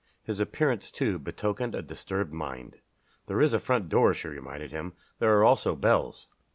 His appearance, too, betokened a disturbed mind. "There is a front door," she reminded him. "There are also bells."